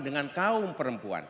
dengan kaum perempuan